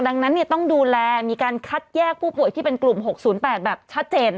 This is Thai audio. ดังนั้นต้องดูแลมีการคัดแยกผู้ป่วยที่เป็นกลุ่ม๖๐๘แบบชัดเจน